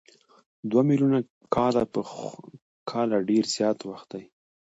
دوه میلیونه کاله ډېر زیات وخت دی.